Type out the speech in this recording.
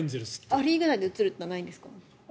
ア・リーグ内で移るのはないんですか？